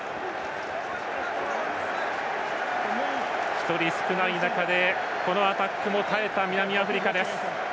１人少ない中でこのアタックも耐えた南アフリカ。